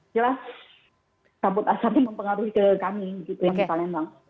jelas kabut asapnya mempengaruhi ke kami gitu yang di palembang